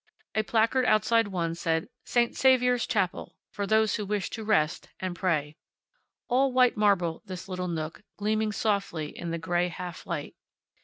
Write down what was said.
A placard outside one said, "St. Saviour's chapel. For those who wish to rest and pray." All white marble, this little nook, gleaming softly in the gray half light.